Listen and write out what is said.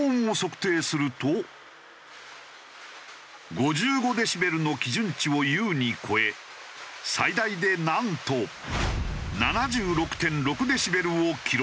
５５デシベルの基準値を優に超え最大でなんと７６．６デシベルを記録。